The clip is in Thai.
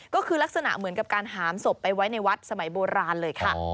ก็คือลักษณะเหมือนกับการหามศพไปไว้ในวัดสมัยโบราณเลยค่ะ